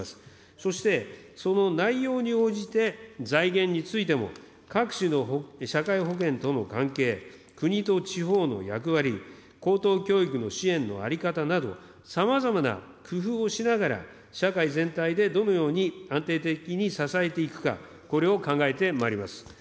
そしてその内容に応じて、財源についても、各種の社会保険との関係、国と地方の役割、高等教育の支援の在り方など、さまざまな工夫をしながら、社会全体でどのように安定的に支えていくか、これを考えてまいります。